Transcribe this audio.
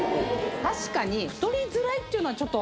確かに。